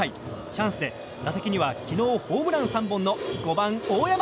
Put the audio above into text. チャンスで打席には、昨日ホームラン３本の５番、大山！